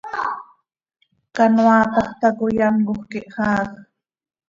Canoaataj tacoi ancoj quih xaaaj.